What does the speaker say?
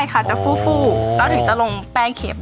ได้ฟูจะลงแป้งเข็ม